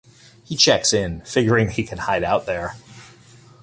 He checks in, figuring he can hide out there.